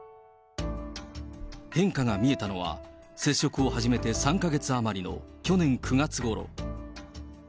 変化が見えたのは、接触を始めて３か月余りの去年９月ごろ。